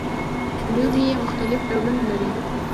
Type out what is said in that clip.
لوبیې مختلف ډولونه لري